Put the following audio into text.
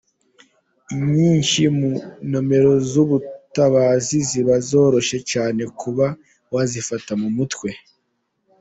Inyinshi mu nimero z’ubutabazi ziba zoroshye cyane kuba wazifata mu mutwe.